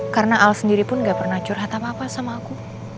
karena al sendiri pun gak pernah curhat apa apa sama aku